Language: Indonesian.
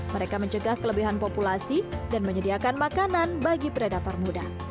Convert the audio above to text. mereka mencegah kelebihan populasi dan menyediakan makanan bagi predator muda